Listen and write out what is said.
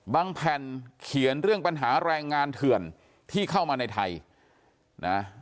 แผ่นเขียนเรื่องปัญหาแรงงานเถื่อนที่เข้ามาในไทยนะ